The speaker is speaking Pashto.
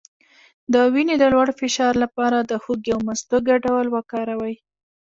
د وینې د لوړ فشار لپاره د هوږې او مستو ګډول وکاروئ